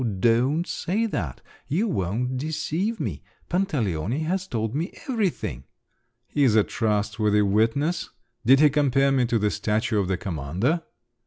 don't say that! You won't deceive me! Pantaleone has told me everything!" "He's a trustworthy witness! Did he compare me to the statue of the commander?"